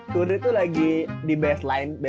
tudri tuh lagi di baseline